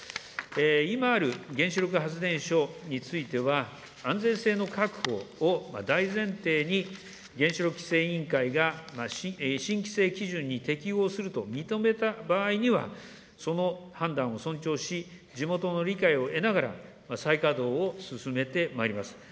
今ある原子力発電所については、安全性の確保を大前提に原子力規制委員会が、新規制基準に適合すると認めた場合には、その判断を尊重し、地元の理解を得ながら、再稼働を進めてまいります。